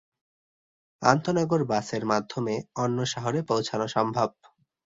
আন্তঃনগর বাসের মাধ্যমে অন্য শহরে পৌঁছানো সম্ভব।